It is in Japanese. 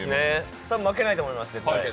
負けないと思いますね。